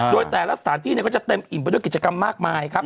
โดยแต่ละสถานที่ก็จะเต็มอิ่มไปด้วยกิจกรรมมากมายครับ